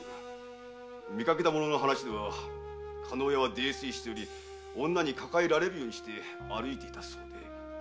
見かけた者の話では加納屋は泥酔しており女に抱えられるようにして歩いていたそうで。